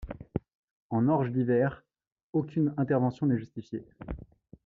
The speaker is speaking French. En orge d’hiver, aucune intervention n’est justifiée.